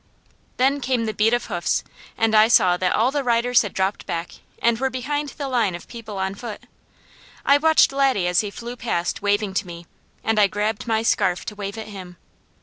Then came the beat of hoofs and I saw that all the riders had dropped back, and were behind the line of people on foot. I watched Laddie as he flew past waving to me, and I grabbed my scarf to wave at him.